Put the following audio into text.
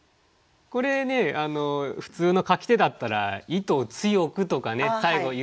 これね普通の書き手だったら「糸強く」とかね最後言っちゃうと思うんですよね。